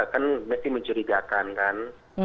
kan mesti mencurigakan kan